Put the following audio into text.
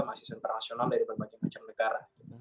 mahasiswa internasional dari berbagai macam negara